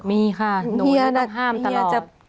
มีค่ะหนูจะต้องห้ามตลอด